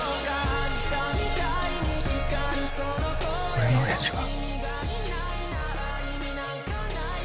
俺の親父は。